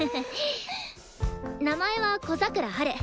名前は小桜ハル。